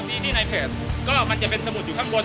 ที่ในเพจก็มันจะเป็นสมุดอยู่ข้างบน